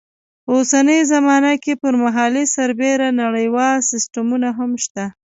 په اوسنۍ زمانه کې پر محلي سربېره نړیوال سیسټمونه هم شته.